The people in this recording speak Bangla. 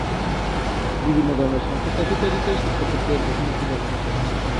বিভিন্ন ধরনের সংকর ধাতু তৈরিতে শিল্পক্ষেত্রে এর বহুমুখী ব্যবহার রয়েছে।